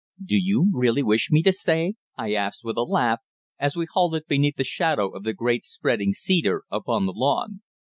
"Do you really wish me to stay?" I asked, with a laugh, as we halted beneath the shadow of the great spreading cedar upon the lawn.